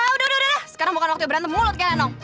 udah udah sekarang bukan waktu ya berantem mulut kalian dong